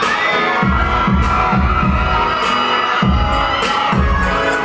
ไม่ต้องถามไม่ต้องถาม